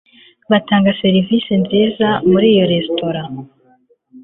Batanga serivisi nziza muri iyo resitora